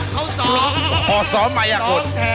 พอซ้อมมาอยากกด